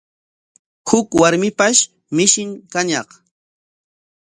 Huk warmipash mishin kañaq.